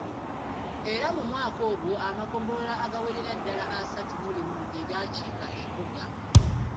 Era mu mwaka ogwo amagombolola agawerera ddala asatu mu limu ge gaakiika embuga.